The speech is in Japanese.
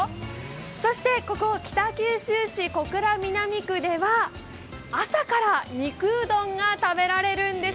そして、ここ北九州市小倉南区では朝から肉うどんが食べられるんです。